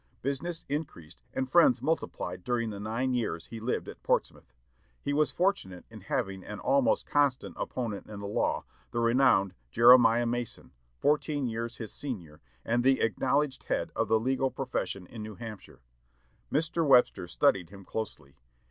Business increased and friends multiplied during the nine years he lived at Portsmouth. He was fortunate in having for an almost constant opponent in the law the renowned Jeremiah Mason, fourteen years his senior, and the acknowledged head of the legal profession in New Hampshire. Mr. Webster studied him closely.